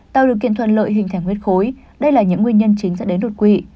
tạo điều kiện thuận lợi hình thành huyết khối đây là những nguyên nhân chính dẫn đến đột quỵ